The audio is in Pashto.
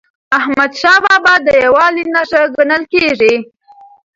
احمدشاه بابا د یووالي نښه ګڼل کېږي.